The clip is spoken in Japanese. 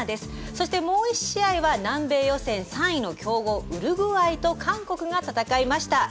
そして、もう１試合は南米予選３位の強豪ウルグアイと韓国が戦いました。